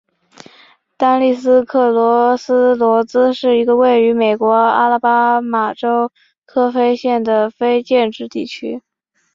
丹利斯克罗斯罗兹是一个位于美国阿拉巴马州科菲县的非建制地区。